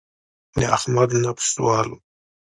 د احمد نفس والوت.